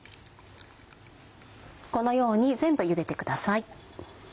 このように全部茹でてください。